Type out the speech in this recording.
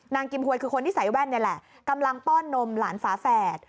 กิมหวยคือคนที่ใส่แว่นนี่แหละกำลังป้อนนมหลานฝาแฝด